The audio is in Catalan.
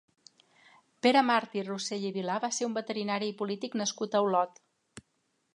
Pere Màrtir Rossell i Vilar va ser un veterinari i polític nascut a Olot.